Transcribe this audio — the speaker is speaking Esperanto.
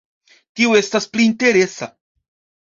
Tio estas pli interesa.